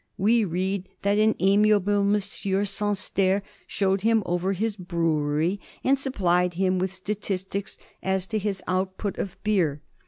We read that an amiable Monsieur Sansterre showed him over his brewery and supplied him with statistics as to his output of beer.